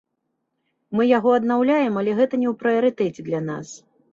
Мы яго аднаўляем, але гэта не ў прыярытэце для нас.